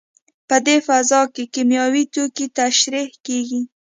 په دې فضا کې کیمیاوي توکي ترشح کېږي.